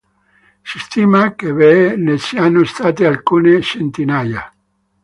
Si stima che ve ne siano state alcune centinaia.